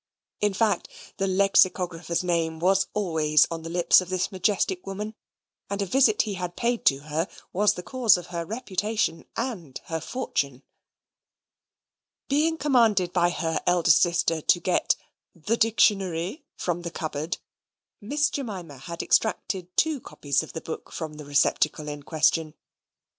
In fact, the Lexicographer's name was always on the lips of this majestic woman, and a visit he had paid to her was the cause of her reputation and her fortune. Being commanded by her elder sister to get "the Dictionary" from the cupboard, Miss Jemima had extracted two copies of the book from the receptacle in question.